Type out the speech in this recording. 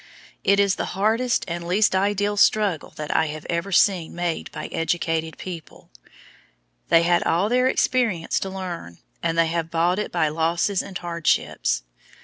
It is the hardest and least ideal struggle that I have ever seen made by educated people. They had all their experience to learn, and they have bought it by losses and hardships.